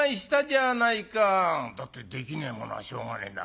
「だってできねえものはしょうがねえだろ」。